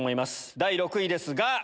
第６位ですが。